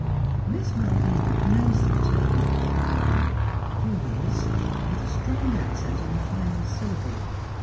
Miss Malvina pronounced the maternal cog nomen D'boise, with a strong accent on the final syllable.